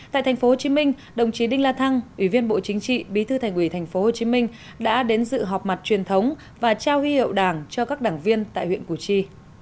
tại tp hcm đồng chí đinh la thăng ủy viên bộ chính trị bí thư thành ủy tp hcm đã đến dự họp mặt truyền thống và trao huy hiệu đảng cho các đảng viên tại huyện củ chi